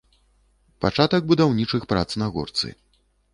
Пачатак будаўнічых прац на горцы.